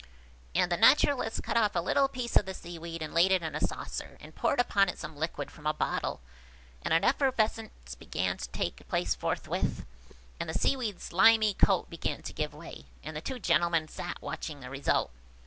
And the Naturalist cut off a little piece of the Seaweed and laid it in a saucer, and poured upon it some liquid from a bottle, and an effervescence began to take place forthwith, and the Seaweed's limy coat began to give way; and the two gentlemen sat watching the result.